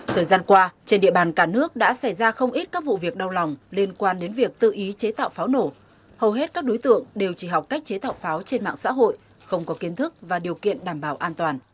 thời gian qua trên địa bàn cả nước đã xảy ra không ít các vụ việc đau lòng liên quan đến việc tự ý chế tạo pháo nổ hầu hết các đối tượng đều chỉ học cách chế tạo pháo trên mạng xã hội không có kiến thức và điều kiện đảm bảo an toàn